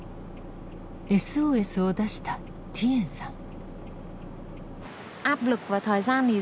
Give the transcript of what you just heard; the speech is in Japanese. ＳＯＳを出したティエンさん。